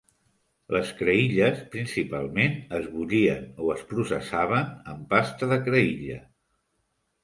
Les creïlles principalment es bullien o es processaven en pasta de creïlla.